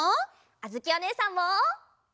あづきおねえさんも！